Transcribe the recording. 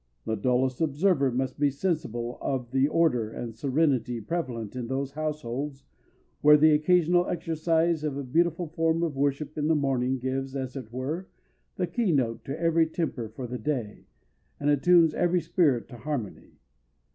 The dullest observer must be sensible of the order and serenity prevalent in those households where the occasional exercise of a beautiful form of worship in the morning gives, as it were, the keynote to every temper for the day, and attunes every spirit to harmony.